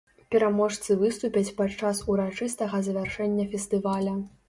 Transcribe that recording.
Пераможцы выступяць падчас урачыстага завяршэння фестываля.